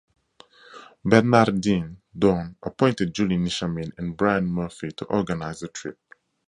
Bernardine Dohrn appointed Julie Nichamin and Brian Murphy to organize the trip.